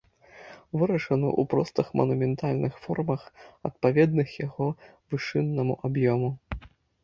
Вырашаны ў простых манументальных формах, адпаведных яго вышыннаму аб'ёму.